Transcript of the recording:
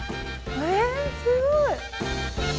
えすごい！